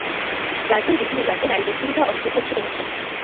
রাজ্যের বিভিন্ন প্রান্তে নারীদের সুবিধা অসুবিধায় ছুটে গেছেন।